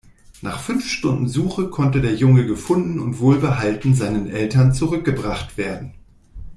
Nach fünf Stunden Suche konnte der Junge gefunden und wohlbehalten seinen Eltern zurückgebracht werden.